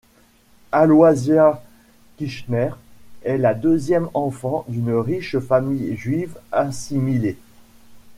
Aloisia Kischner est la deuxième enfant d'une riche famille juive assimilée.